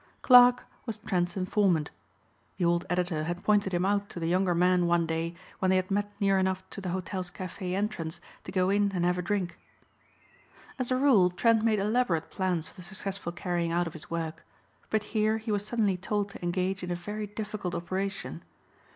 Clarke was Trent's informant. The old editor had pointed him out to the younger man one day when they had met near enough to the hotel's café entrance to go in and have a drink. As a rule Trent made elaborate plans for the successful carrying out of his work. But here he was suddenly told to engage in a very difficult operation.